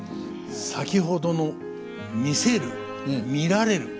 先ほどの「見せる」「見られる」